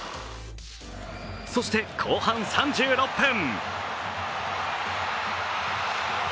そして、後半３６分。